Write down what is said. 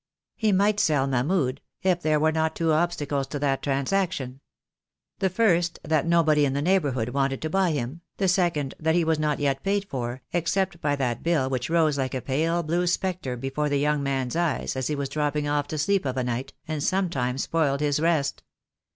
He might sell Mahmud, if there were not two ob stacles to that transaction. The first that nobody in the THE DAY WILL COME. 319 neighbourhood wanted to buy him, the second that he was not yet paid for, except by that bill which rose like a pale blue spectre before the young man's eyes as he was dropping off to sleep of a night, and sometimes spoiled his rest.